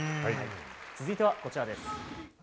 続いては、こちらです。